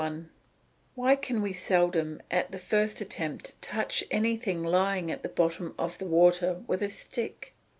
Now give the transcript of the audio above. _Why can we seldom at the first attempt touch anything lying at the bottom of the water with a stick?